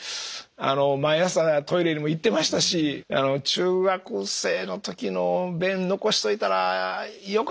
毎朝トイレにも行ってましたし中学生の時の便残しといたらよかったかなとか思ったりもしますね。